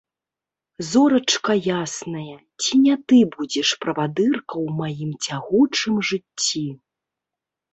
Зорачка ясная, ці не ты будзеш правадырка ў маім цягучым жыцці?